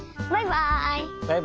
バイバイ！